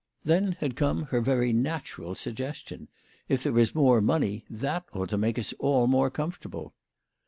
Then had come her very natural suggestion, " If there is more money that ought to make us all more comfortable."